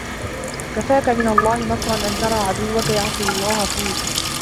كَفَاك مِنْ اللَّهِ نَصْرًا أَنْ تَرَى عَدُوَّك يَعْصِي اللَّهَ فِيك